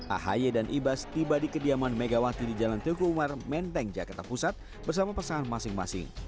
ahy dan ibas tiba di kediaman megawati di jalan teguh umar menteng jakarta pusat bersama pasangan masing masing